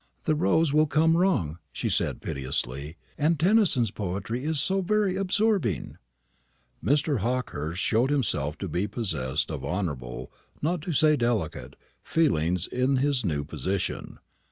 "The rows will come wrong," she said piteously, "and Tennyson's poetry is so very absorbing!" Mr. Hawkehurst showed himself to be possessed of honourable, not to say delicate, feelings in his new position.